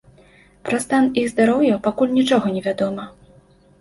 Пра стан іх здароўя пакуль нічога не вядома.